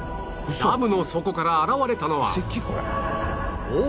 ダムの底から現れたのは